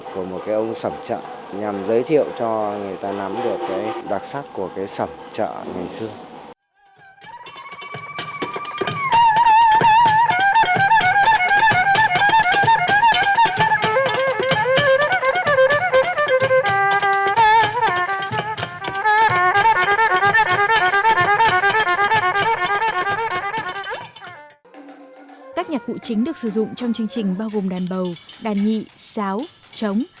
các nhạc cụ chính được sử dụng trong chương trình bao gồm đàn bầu đàn nhị sáo trống